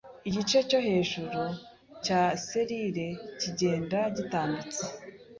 Igice cyo hejuru cya selile kigenda gitambitse